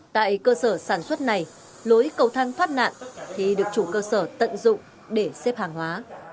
tại cơ sở sản xuất này lối cầu thăng thoát nạn thì được chủ cơ sở tận dụng để xếp hàng hóa